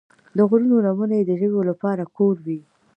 د غرونو لمنې د ژویو لپاره کور وي.